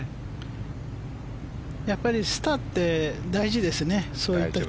やっぱりスターって大事ですよね。